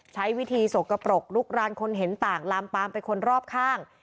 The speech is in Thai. ใช้วิธีสกปรกลุกรานคนเห็นต่างลามปามไปคนรอบข้าง